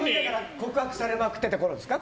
告白されまくってたころですか。